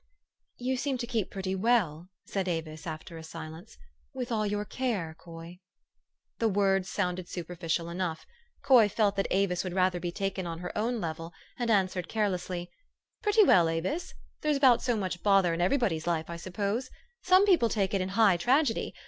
" You seem to keep pretty well," said Avis, after a silence, " with all your care, Coy." The words sounded superficial enough. Coy felt that Avis would rather be taken on her own level, and answered carelessly, "Pretty well, Avis. There's about so much bother in everybody's life, I suppose. Some people take it in high tragedy.